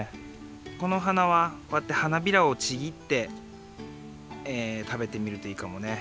この花はこうやって花びらをちぎって食べてみるといいかもね。